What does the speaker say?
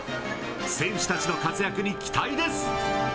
選手たちの活躍に期待です。